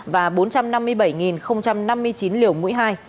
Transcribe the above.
và bốn trăm năm mươi bảy năm mươi chín liều mũi hai